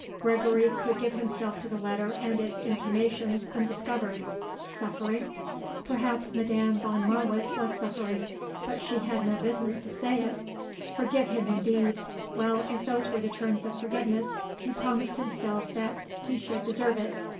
Gregory could give himself to the letter and its intimations undiscovered. Suffering? Perhaps Madame von Marwitz was suffering; but she had no business to say it. Forgive him indeed; well, if those were the terms of forgiveness, he promised himself that he should deserve it.